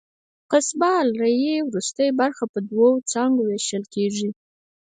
قصبة الریې وروستۍ برخه په دوو څانګو وېشل کېږي.